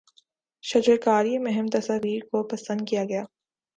شجرکاری مہم تصاویر کو پسند کیا گیا